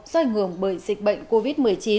do ảnh hưởng bởi dịch bệnh covid một mươi chín